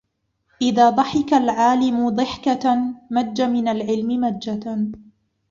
إذَا ضَحِكَ الْعَالِمُ ضِحْكَةً مَجَّ مِنْ الْعِلْمِ مَجَّةً